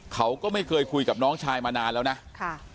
เขาก็ไม่เคยคุยกับน้องชายมานานแล้วนะค่ะ